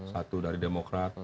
satu dari demokrat